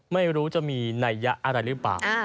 ไม่รู้จะมีไหนงานอะไรหรือป่ะ